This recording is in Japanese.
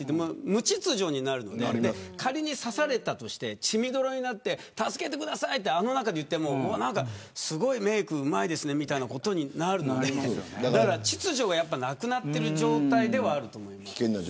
無秩序になるので仮に刺されたとして血みどろになって助けてくださいとあの中で言ってもすごいメークうまいですねみたいなことになるので秩序がなくなっている状態ではあると思います。